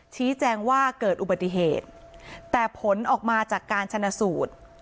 ชี้แจงว่าเกิดอุบัติเหตุแต่ผลออกมาจากการชนะสูตร